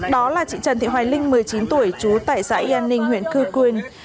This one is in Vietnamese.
đó là chị trần thị hoài linh một mươi chín tuổi trú tại xã yên ninh huyện cư quyền